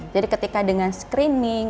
jadi ketika dengan screening